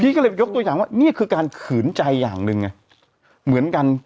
ก็เลยยกตัวอย่างว่านี่คือการขืนใจอย่างหนึ่งไงเหมือนกัน